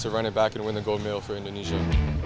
saya sangat yakin untuk menangkan timnya untuk indonesia